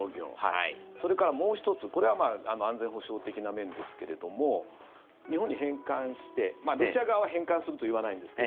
それから、もう１つこれは安全保障的な面ですが日本に返還して、ロシア側は返還すると言わないんですが。